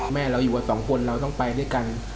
แม่เราอยู่กันสองคนเราต้องไปด้วยกัน